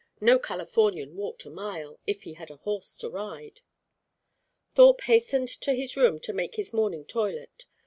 No Californian walked a mile, if he had a horse to ride. Thorpe hastened to his room to make his morning toilet.